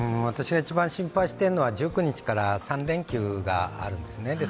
私は一番心配しているのは１９日から３連休があるんですね。